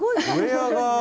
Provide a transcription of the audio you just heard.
ウエアが。